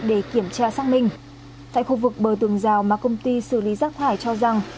để kiểm tra xác minh tại khu vực bờ tường rào mà công ty xử lý rác thải cho rằng